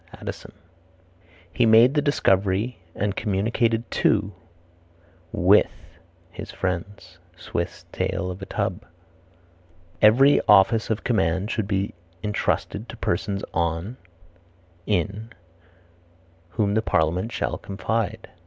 Addison. "He made the discovery and communicated to (with) his friends." Swift's Tale of a Tub. "Every office of command should be intrusted to persons on (in) whom the parliament shall confide."